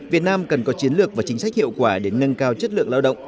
việt nam cần có chiến lược và chính sách hiệu quả để nâng cao chất lượng lao động